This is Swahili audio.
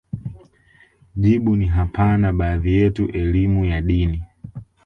jibu ni hapana Baadhi yetu elimu ya dini